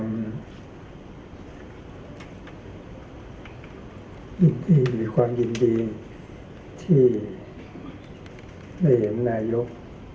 มีความยินดีที่ได้เห็นนายก